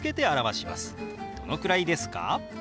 「どのくらいですか？」。